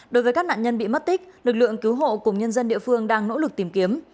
đối với các nạn nhân bị mất tích lực lượng cứu hộ cùng nhân dân địa phương đang nỗ lực tìm kiếm